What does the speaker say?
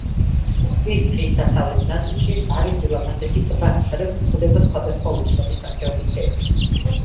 ქვის ტყის დასავლეთ ნაწილში არის ულამაზესი ტბა, სადაც გვხვდება სხვადასხვა უცნობი სახეობის თევზი.